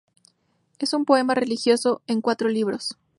Es un poema religioso en cuatro libros.